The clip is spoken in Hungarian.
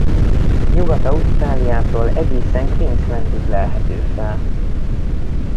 Nyugat-Ausztráliától egészen Queenslandig lelhető fel.